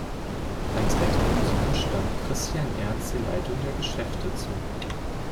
Als älterem Sohn stand Christian Ernst die Leitung der Geschäfte zu.